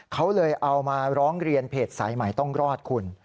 เขาเลยเอามาร้องเรียนเพจสายใหม่ต้องรอดคุณ